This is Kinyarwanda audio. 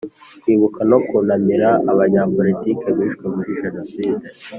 Kwibuka no kunamira Abanyapolitiki bishwe muri Jenoside